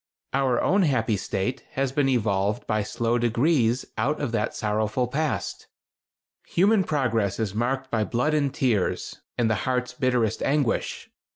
Our own happy state has been evolved by slow degrees out of that sorrowful past. Human progress is marked by blood and tears, and the heart's bitterest anguish.